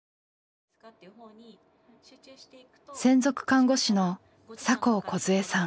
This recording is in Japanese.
専属看護師の酒匂こず枝さん。